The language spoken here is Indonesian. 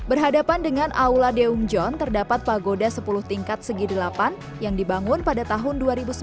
berhadapan dengan aula deum john terdapat pagoda sepuluh tingkat segi delapan yang dibangun pada tahun dua ribu sembilan